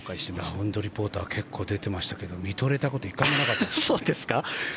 ラウンドリポーター結構出てましたけど見とれたことは一回もなかったです。